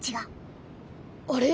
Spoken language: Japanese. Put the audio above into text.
あれ？